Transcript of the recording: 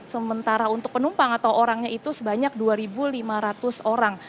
sementara untuk penumpang atau orangnya itu sebanyak dua lima ratus orang